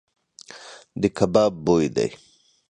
د کباب بوی دی .